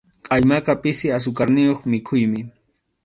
Qʼaymaqa pisi asukarniyuq mikhuymi.